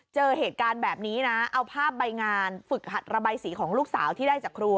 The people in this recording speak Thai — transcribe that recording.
เจอเหตุการณ์แบบนี้นะเอาภาพใบงานฝึกหัดระบายสีของลูกสาวที่ได้จากครู